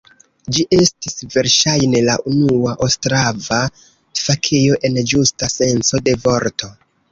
Ĝi estis verŝajne la unua ostrava kafejo en ĝusta senco de vorto.